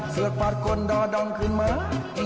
เสือกปัดคนดอดองขึ้นมา